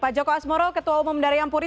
pak joko asmoro ketua umum dari ampuri